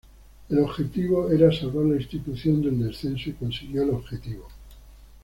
El objetivo era salvar la institución del descenso y consiguió el objetivo.